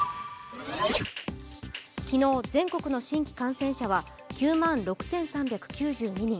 昨日、全国の新規感染者は９万６３９２人。